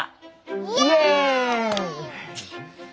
イエーイ！